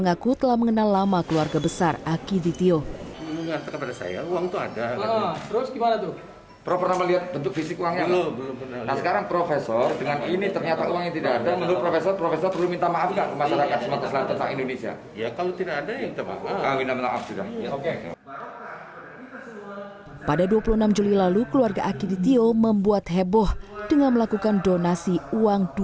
akiditio pada dua puluh enam juli lalu keluarga akiditio membuat heboh dengan melakukan donasi uang dua